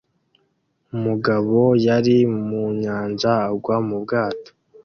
Umugabo yari mu nyanja agwa mu bwato